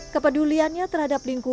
kepeduliannya terhadap lingkungan